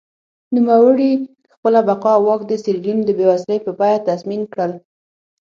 نوموړي خپله بقا او واک د سیریلیون د بېوزلۍ په بیه تضمین کړل.